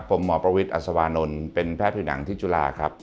ผมหมอประวิทย์อัศวานนท์เป็นแพทย์ผิวหนังที่จุฬาครับ